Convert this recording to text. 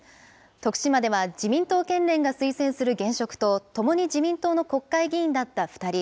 徳島では、自民党県連が推薦する現職とともに自民党の国会議員だった２人。